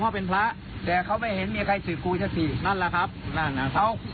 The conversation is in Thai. หลวงพ่อเป็นพระแต่เขาไม่เห็นมีใครสืบกูใช่ไหมนั่นล่ะครับนั่นครับ